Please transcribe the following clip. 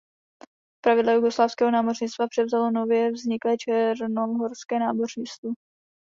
Plavidla jugoslávského námořnictva převzalo nově vzniklé černohorské námořnictvo.